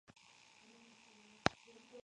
Actualmente dirige la Camerata Villa la Angostura.